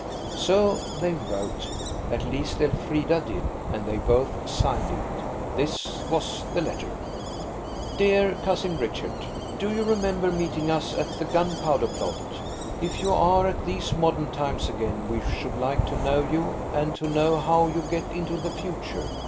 So they wrote. At least Elfrida did, and they both signed it. This was the letter:– "DEAR COUSIN RICHARD,–You remember meeting us at the Gunpowder Plot. If you are at these modern times again we should like to know you and to know how you get into the future.